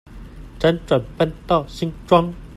輾轉搬到新莊